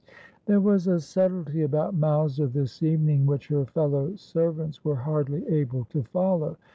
There was a subtlety about Mowser this evening which her fellow servants were hardly able to follow.